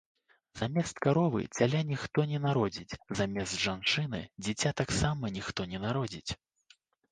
Замест каровы цяля ніхто не народзіць, замест жанчыны дзіця таксама ніхто не народзіць.